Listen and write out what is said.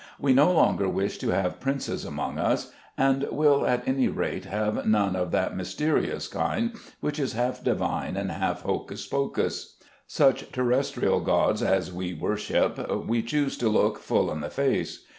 We no longer wish to have princes among us, and will at any rate have none of that mysterious kind which is half divine and half hocus pocus. Such terrestrial gods as we worship we choose to look full in the face.